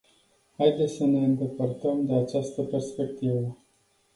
Haideți să ne îndepărtăm de această perspectivă.